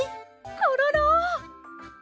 コロロ！